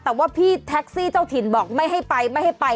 แต่ว่าพี่แท็กซี่เจ้าถิ่นบอกไม่ให้ไปไม่ให้ไป